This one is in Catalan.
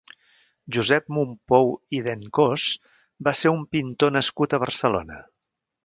Josep Mompou i Dencausse va ser un pintor nascut a Barcelona.